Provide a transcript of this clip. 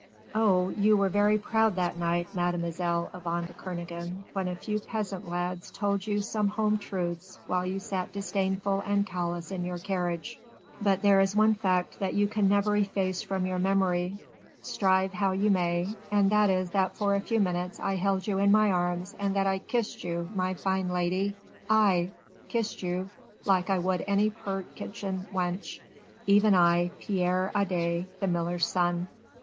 Oh! you were very proud that night, Mademoiselle Yvonne de Kernogan, when a few peasant lads told you some home truths while you sat disdainful and callous in your carriage, but there is one fact that you can never efface from your memory, strive how you may, and that is that for a few minutes I held you in my arms and that I kissed you, my fine lady, aye! kissed you like I would any pert kitchen wench, even I, Pierre Adet, the miller's son."